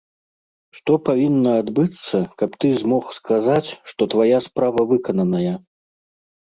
Што павінна адбыцца, каб ты змог сказаць, што твая справа выкананая?